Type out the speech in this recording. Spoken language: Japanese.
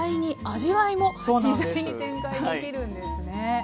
味わいも自在に展開できるんですね。